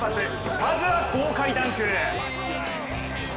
まずは豪快ダンク。